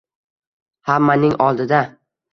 Hammaning oldida